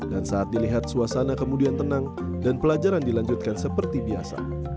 dan saat dilihat suasana kemudian tenang dan pelajaran dilanjutkan seperti biasa